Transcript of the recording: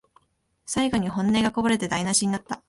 最後に本音がこぼれて台なしになった